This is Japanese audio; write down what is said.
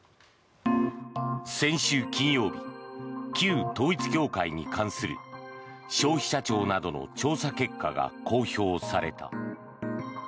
先週金曜日旧統一教会に関する消費者庁などの調査結果が公表された。